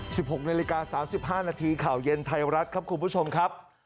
สิบหกในหรือกา๓๕นาทีข่าวเย็นไทยรัฐครับคุณผู้ชมครับ